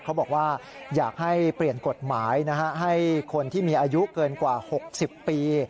เขาบอกว่าอยากให้เปลี่ยนกฎหมายให้คนที่มีอายุเกินกว่า๖๐ปี